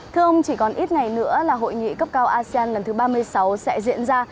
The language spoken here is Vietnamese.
thưa ông chỉ còn ít ngày nữa là hội nghị cấp cao asean lần thứ ba mươi sáu sẽ diễn ra